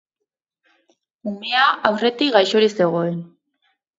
Umea aurretik gaixorik zegoen.